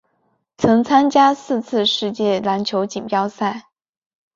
曾参加四次世界篮球锦标赛。